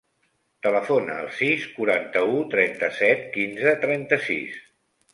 Telefona al sis, quaranta-u, trenta-set, quinze, trenta-sis.